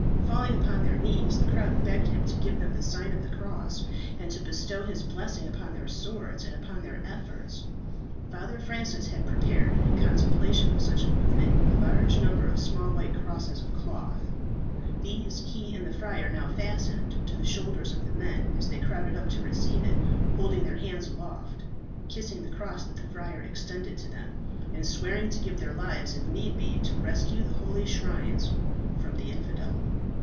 Falling upon their knees, the crowd begged of him to give them the sign of the cross, and to bestow his blessing upon their swords, and upon their efforts. Father Francis had prepared, in contemplation of such a movement, a large number of small white crosses of cloth. These he and the friar now fastened to the shoulders of the men as they crowded up to receive it, holding their hands aloft, kissing the cross that the Friar extended to them, and swearing to give their lives, if need be, to rescue the holy shrines from the infidel.